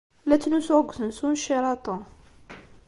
La ttnusuɣ deg usensu n Sheraton.